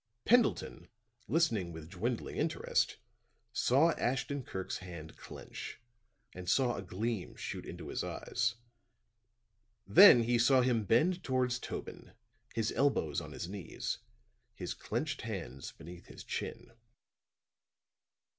Pendleton, listening with dwindling interest, saw Ashton Kirk's hand clench, and saw a gleam shoot into his eyes. Then he saw him bend toward Tobin, his elbows on his knees, his clenched hands beneath his chin.